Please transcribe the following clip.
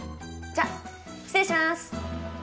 じゃ失礼しまーす。